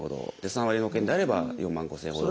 ３割保険であれば４万５，０００円ほど。